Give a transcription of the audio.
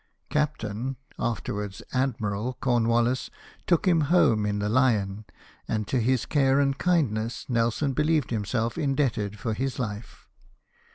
Captain (afterwards 24 LIFE OF NELSON. Admiral) Cornwallis took him home in the Lion, and to his care and kindness Nelson believed himself indebted for his life.